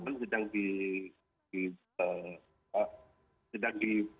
penjatualan sedang di